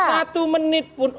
satu menit pun